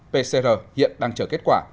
pcr hiện đang chờ kết quả